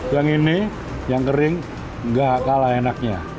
yang ini yang kering nggak kalah enaknya